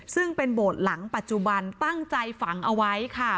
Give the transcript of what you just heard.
ซึ่งเป็นโบสถ์หลังปัจจุบันตั้งใจฝังเอาไว้ค่ะ